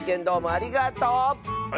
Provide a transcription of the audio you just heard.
ありがとう！